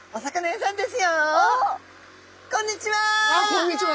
こんにちは！